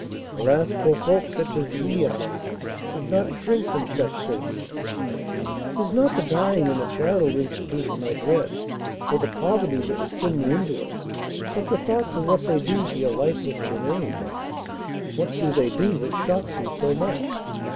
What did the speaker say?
"Alas! poor folks, such as we are, should not shrink from such things." "'Tis not the dying in a charitable institution I dread, or the poverty that would send me into it, but the thoughts of what they do to your lifeless remains." "What do they do that shocks you so much?"